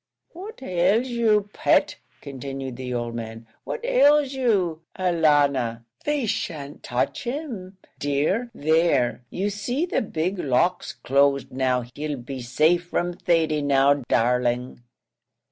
"What ails you, pet?" continued the old man, "what ails you, alanna? they shan't touch him, dear there, you see the big lock's closed now; he'll be safe from Thady now, darling."